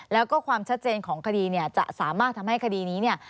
แล้วก็ความชัดเจนของคดีจะสามารถทำให้คดีนี้